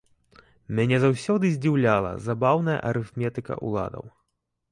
Мяне заўсёды здзіўляла забаўная арыфметыка ўладаў.